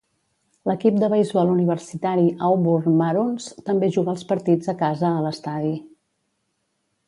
L'equip de beisbol universitari Auburn Maroons també juga els partits a casa a l'estadi.